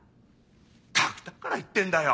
ったくだから言ってんだよ。